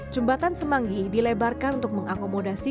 jembatan semanggi dilebarkan untuk mengakomodasi